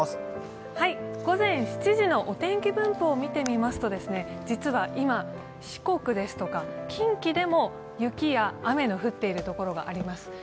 午前７時のお天気分布を見てみますと、実は今、四国ですとか近畿でも雪や雨が降っている所があります。